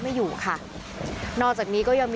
ไม่อยู่ค่ะนอกจากนี้ก็ยังมี